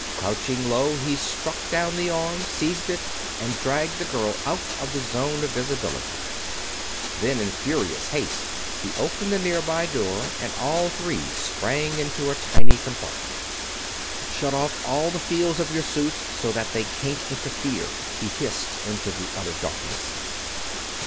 Crouching low, he struck down the arm, seized it, and dragged the girl out of the zone of visibility. Then in furious haste he opened a nearby door and all three sprang into a tiny compartment. "Shut off all the fields of your suits, so that they can't interfere!" he hissed into the utter darkness.